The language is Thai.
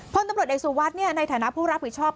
พลตำรวจเอกสุวัสดิ์ในฐานะผู้รับผิดชอบ